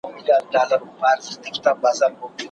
یو کس ټول علوم زده کولای نه شي.